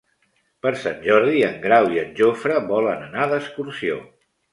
Per Sant Jordi en Grau i en Jofre volen anar d'excursió.